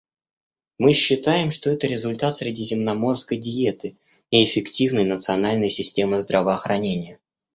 Мы считаем, что это результат средиземноморской диеты и эффективной национальной системы здравоохранения.